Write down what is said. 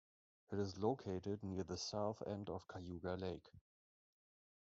It is located near the south end of Cayuga Lake.